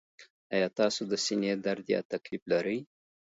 ایا تاسو د سینې درد یا تکلیف لرئ؟